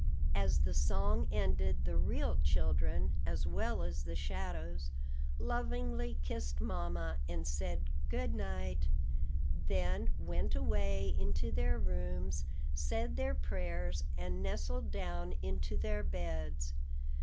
'" As the song ended, the real children, as well as the shadows, lovingly kissed mamma, and said "Good night;" then went away into their rooms, said their prayers, and nestled down into their beds.